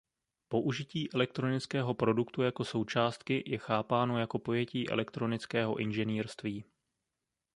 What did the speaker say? Použití elektronického produktu jako součástky je chápáno jako pojetí elektronického inženýrství.